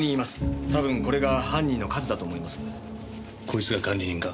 こいつが管理人か？